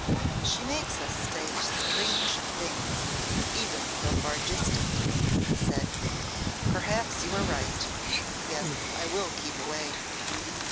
"She makes us say strange things even so far distant," he said. "Perhaps you are right. Yes, I will keep away."